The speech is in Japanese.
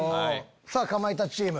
さぁかまいたちチーム。